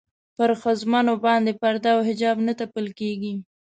پر ښځمنو باندې پرده او حجاب نه تپل کېږي.